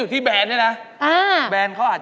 อุปกรณ์ทำสวนชนิดใดราคาถูกที่สุด